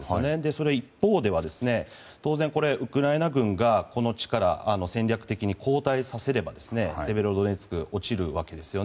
その一方では当然ウクライナ軍がこの地から戦略的に後退すればセベロドネツクは落ちるわけです。